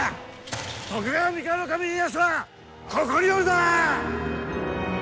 徳川三河守家康はここにおるぞ！